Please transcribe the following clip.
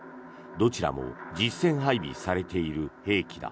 どちらも実戦配備されている兵器だ。